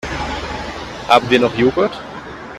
Haben wir noch Joghurt?